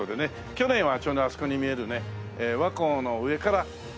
去年はちょうどあそこに見えるね和光の上から来たんです。